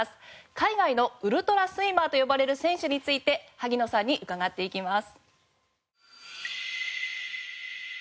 海外のウルトラスイマーと呼ばれる選手について萩野さんに伺っていきます。